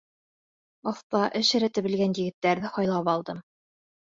Оҫта, эш рәте белгән егеттәрҙе һайлап алдым.